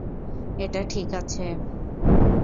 এটা ঠিক আছে।